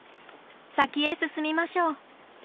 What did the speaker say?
先へ進みましょう。